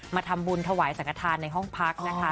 มาทำบุญถวายสังฆฐานในห้องพักนะคะ